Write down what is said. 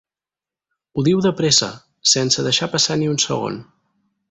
Ho diu de pressa, sense deixar passar ni un segon.